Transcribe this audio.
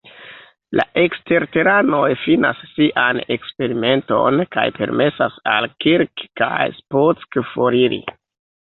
La eksterteranoj finas sian eksperimenton kaj permesas al Kirk kaj Spock foriri.